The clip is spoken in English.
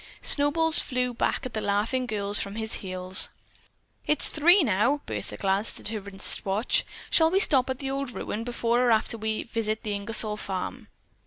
Snowballs flew back at the laughing girls from his heels. "It's three now!" Bertha glanced at her wrist watch. "Shall we stop at the old ruin before or after we visit the Ingersol farm?"